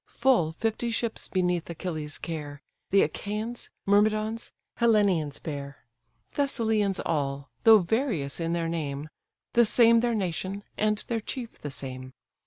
Full fifty ships beneath Achilles' care, The Achaians, Myrmidons, Hellenians bear; Thessalians all, though various in their name; The same their nation, and their chief the same.